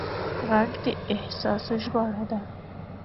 غږ د احساس ژباړه ده